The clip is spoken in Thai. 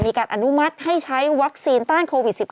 มีการอนุมัติให้ใช้วัคซีนต้านโควิด๑๙